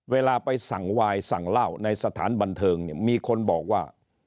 เวลาไปสั่งวายสั่งเหล้าในสถานบันเทิงเนี่ยมีคนบอกว่า